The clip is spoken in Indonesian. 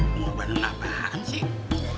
pengorbanan apaan sih